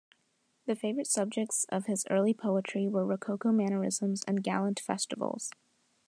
The favourite subjects of his early poetry were Rococo mannerisms and gallant festivals.